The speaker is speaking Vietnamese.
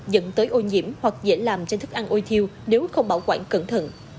dẫn tới ô nhiễm hoặc dễ làm trên thức ăn ôi thiêu nếu không bảo quản cẩn thận